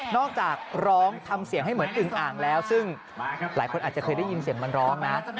อกจากร้องทำเสียงให้เหมือนอึงอ่างแล้วซึ่งหลายคนอาจจะเคยได้ยินเสียงมันร้องนะ